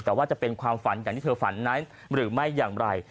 แต่ว่าจะเป็นความฝันอย่างที่เธอฝันนั้นหรือไม่อย่างไร